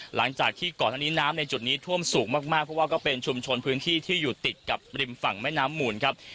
หลังจากที่ก่อนอันนี้น้ำในจุดนี้ท่วมสูงมากเพราะว่าก็เป็นชุมชนพื้นที่ที่อยู่ติดกับริมฝั่งแม่น้ำหมูลครับ